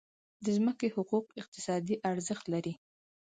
د ځمکې حقوق اقتصادي ارزښت لري.